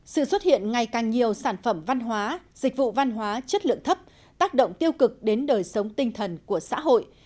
sự xuất hiện ngày càng nhiều sản phẩm văn hóa dịch vụ văn hóa chất lượng thấp tác động tiêu cực đến đời sống tinh thần của xã hội